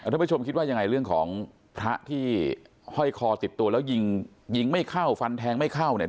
ท่านผู้ชมคิดว่ายังไงเรื่องของพระที่ห้อยคอติดตัวแล้วยิงยิงไม่เข้าฟันแทงไม่เข้าเนี่ย